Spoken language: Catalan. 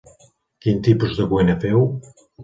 Quin tipus de cuina feu?